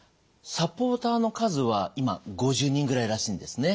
サポーターの数は今５０人ぐらいらしいんですね。